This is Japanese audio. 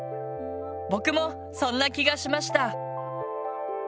僕もそんな気がしました！